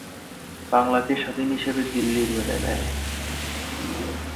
বাংলাকে স্বাধীন হিসেবে দিল্লির মেনে নেয়।